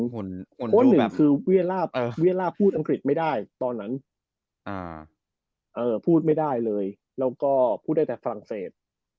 เพราะหนึ่งคือเวียล่าพูดอังกฤษไม่ได้ตอนนั้นพูดไม่ได้เลยแล้วก็พูดได้แต่ฝรั่งเศส